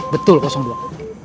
betul kosong buah